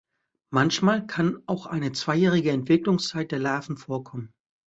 Manchmal kann auch eine zweijährige Entwicklungszeit der Larven vorkommen.